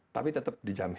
tapi tetap dijamin